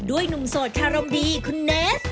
ด้วยหนุ่มสดธารมดีคุณเนสต์